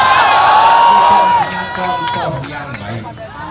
kita ingin menghormati hukum yang baik